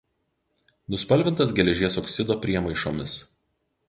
Nuspalvintas geležies oksido priemaišomis.